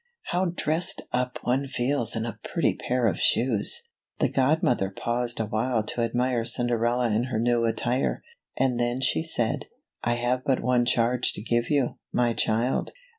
H ow dressed up one feels in a pretty pair of shoes ! The godmother paused awhile to admire Cinderella in her new attire, and then she said, " I have but one charge to give you, my child.